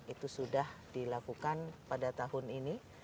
itu sudah dilakukan pada tahun ini